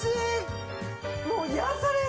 もう癒やされるよ！